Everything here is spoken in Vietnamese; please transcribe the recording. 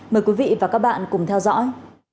mời quý vị và các bạn cùng theo dõi